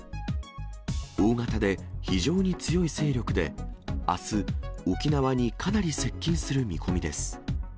大型で非常に強い勢力で、あす、沖縄にかなり接近する見込みです。